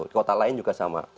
di kota lain juga sama